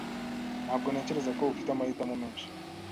Ntabwo ntekereza ko ufite amahitamo menshi.